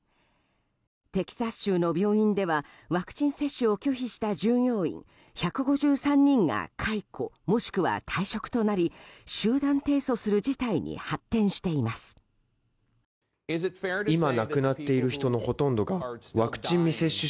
テキサス州の病院ではワクチン接種を拒否した従業員１５３人が解雇もしくは退職となり集団提訴する事態に発展しています。